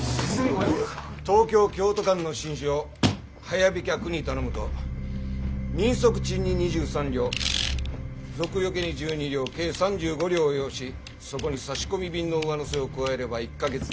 東京京都間の信書を早飛脚に頼むと人足賃に２３両賊よけに１２両計３５両を要しそこに差込便の上乗せを加えれば１か月で１千２００両余り。